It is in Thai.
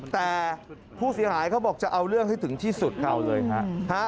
แต่ผู้เสียหายเขาบอกจะเอาเรื่องให้ถึงที่สุดเอาเลยฮะ